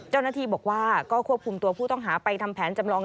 เจ้าหน้าที่บอกว่าก็ควบคุมตัวผู้ต้องหาไปทำแผนจำลอง